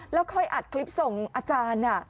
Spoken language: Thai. แล้วค่อยอัดคลิปส่งอาจารย์